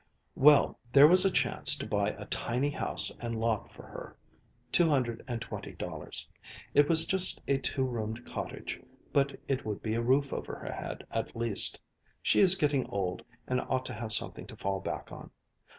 "Well, there was a chance to buy a tiny house and lot for her two hundred and twenty dollars. It was just a two roomed cottage, but it would be a roof over her head at least. She is getting old and ought to have something to fall back on.